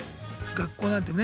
学校なんてね